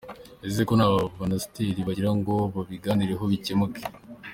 Ese bo nta basenateri bagira ngo babiganireho bikemuke?”.